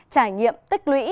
trải nghiệm tích lũy